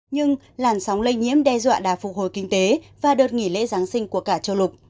nhưng làn sóng lây nhiễm đe dọa đà phục hồi kinh tế và đợt nghỉ lễ giáng sinh của cả châu lục